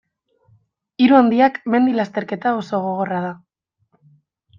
Hiru handiak mendi-lasterketa oso gogorra da.